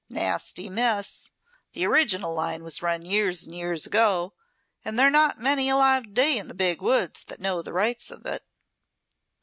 Nasty mess. The original line was run years and years ago, and they're not many alive today in the Big woods that know the rights of it.